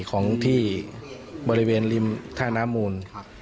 ของที่บริเวณริมท่าน้ำมูล